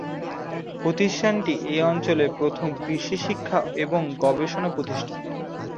প্রতিষ্ঠানটি এই অঞ্চলের প্রথম কৃষি শিক্ষা এবং গবেষণা প্রতিষ্ঠান।